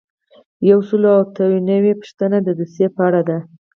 یو سل او اته نوي یمه پوښتنه د دوسیې په اړه ده.